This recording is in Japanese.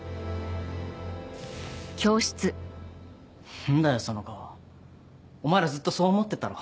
何だよその顔お前らずっとそう思ってたろ？